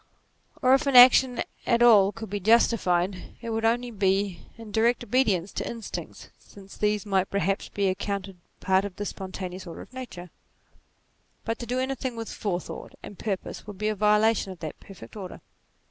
Or if action at c 20 NATURE all could be justified, it would only be when in direct obedience to instincts, since these might perhaps be accounted part of the spontaneous order of Nature ; but to do anything with forethought and purpose, would be a violation of that perfect order.